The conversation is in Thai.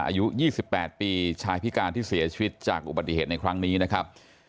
อายุ๒๘ปีชายพิการที่เสียชีวิตจากอุบัติเหตุในครั้งนี้นะครับ